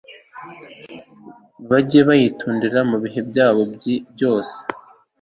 bajye bayitondera mu bihe byabo byose